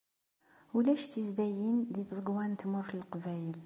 Ulac tizdayin deg tẓegwa n tmurt n Leqbayel.